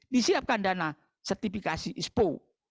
disiapkan dana sertifikasi ispo